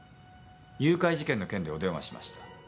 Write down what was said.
誘拐事件の件でお電話しました。